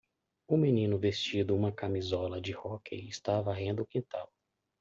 Um menino vestindo uma camisola de hóquei está varrendo o quintal.